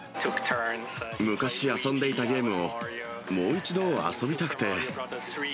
昔遊んでいたゲームを、もう一度遊びたくて。